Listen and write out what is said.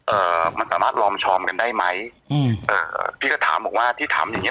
เอ่อมันสามารถลอมชอมกันได้ไหมอืมเอ่อพี่ก็ถามบอกว่าที่ถามอย่างเง